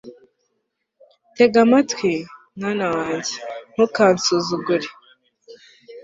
tega amatwi, mwana wanjye, ntukansuzugure